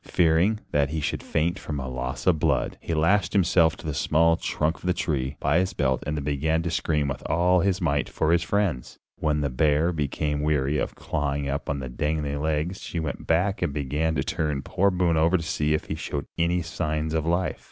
Fearing that he should faint from loss of blood, he lashed himself to the small trunk of the tree by his belt and then began to scream with all his might for his friends. When the bear became weary of clawing up at the dangling legs she went back and began to turn poor Boone over to see if he showed any signs of life.